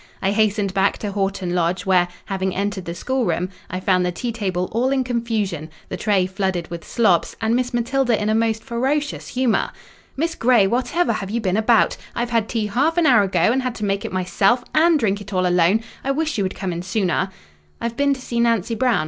I hastened back to Horton Lodge, where, having entered the schoolroom, I found the tea table all in confusion, the tray flooded with slops, and Miss Matilda in a most ferocious humour. "Miss Grey, whatever have you been about? I've had tea half an hour ago, and had to make it myself, and drink it all alone! I wish you would come in sooner!" "I've been to see Nancy Brown.